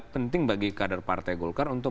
penting bagi kader partai golkar untuk